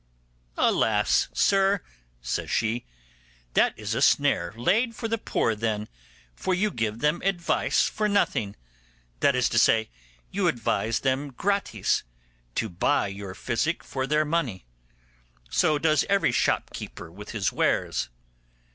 'Alas, sir!' says she, 'that is a snare laid for the poor, then; for you give them advice for nothing; that is to say, you advise them gratis, to buy your physic for their money; so does every shop keeper with his wares.